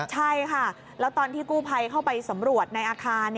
ใช่ค่ะแล้วตอนที่กู้ภัยเข้าไปสำรวจในอาคาร